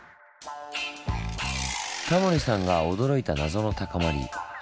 タモリさんが驚いた謎の高まり。